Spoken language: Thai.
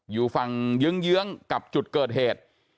อยู่ฝั่งเยื้องกับจุดเกิดเหตุ